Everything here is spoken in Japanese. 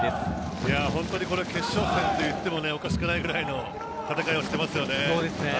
これが本当に決勝戦と言ってもおかしくないぐらいの戦いをしてますよね。